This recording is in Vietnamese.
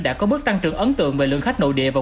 đã có bước tăng trưởng ấn tượng về lượng khách nội địa và